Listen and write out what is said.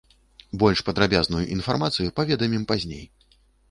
Больш падрабязную інфармацыю паведамім пазней.